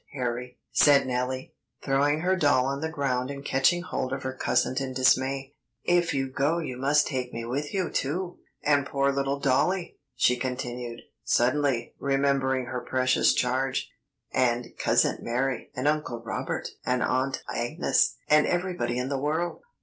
Harry," said Nellie, throwing her doll on the ground and catching hold of her cousin in dismay; "if you go you must take me with you too. And poor little dollie," she continued, suddenly remembering her precious charge, "and Cousin Mary and Uncle Robert and Aunt Agnes and everybody in the world.